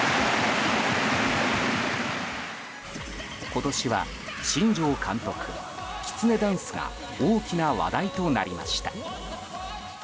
今年は新庄監督、きつねダンスが大きな話題となりました。